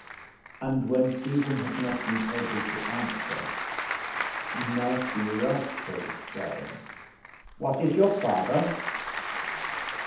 And when Stephen had not been able to answer Nasty Roche had asked: —What is your father?